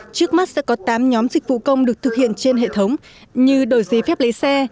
trước mắt sẽ có tám nhóm dịch vụ công được thực hiện trên hệ thống như đổi giấy phép lấy xe